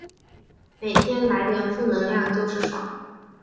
每天来点负能量就是爽